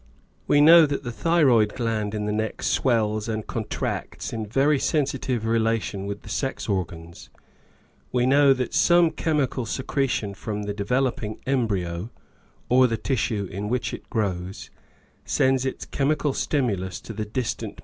We know that the thyroid gland in the neck swells and contracts in very sensitive relation with the sex organs; we know that some chemical secretion from the developing embryo, or the tissue in which it grows, sends its chemical stimulus to the distant * See Prof. Ernest H.